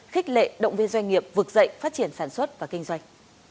khích lệ động viên doanh nghiệp vực dậy phát triển sản xuất và kinh doanh